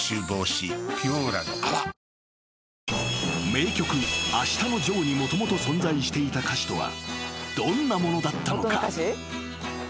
［名曲『あしたのジョー』にもともと存在していた歌詞とはどんなものだったのか？］